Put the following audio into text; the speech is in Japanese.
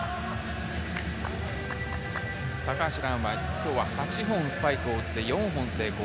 高橋藍は今日は８本スパイクを打って４本成功。